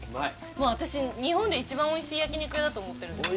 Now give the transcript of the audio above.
もう私日本で一番おいしい焼肉屋だと思ってるんです